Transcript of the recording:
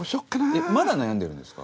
えっまだ悩んでるんですか？